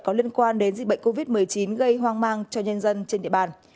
có liên quan đến dịch bệnh covid một mươi chín gây hoang mang cho nhân dân trên địa bàn